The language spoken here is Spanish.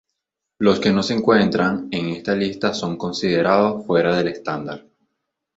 Los que no se encuentran en esta lista son considerados fuera del estándar.